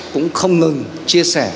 cũng không ngừng chia sẻ